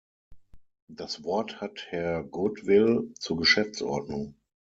Das Wort hat Herr Goodwill zur Geschäftsordnung.